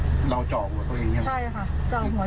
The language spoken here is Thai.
ใช่ค่ะเจาะหัวจะยิงตัวเองแล้วลูกน้องเขาก็มาดึงปืนออกจากมือเรา